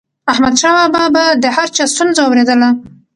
احمدشاه بابا به د هر چا ستونزه اوريدله.